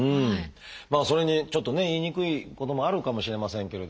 それにちょっとね言いにくいこともあるかもしれませんけれどもね